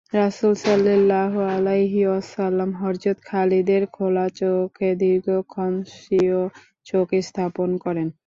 রাসূল সাল্লাল্লাহু আলাইহি ওয়াসাল্লাম হযরত খালিদের খোলা চোখে দীর্ঘক্ষণ স্বীয় চোখ স্থাপন করেন।